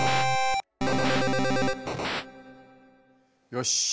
よし！